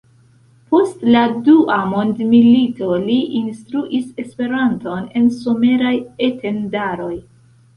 Post la dua mondmilito li instruis Esperanton en someraj E-tendaroj.